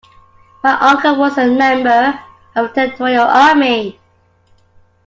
My uncle was a member of the Territorial Army